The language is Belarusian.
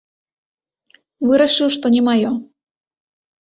Вырашыў, што не маё.